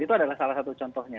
itu adalah salah satu contohnya